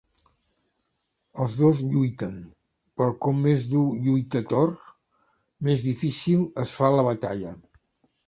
Els dos lluiten, però com més dur lluita Thor, més difícil es fa la batalla.